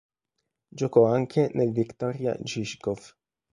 Giocò anche nel Viktoria Žižkov.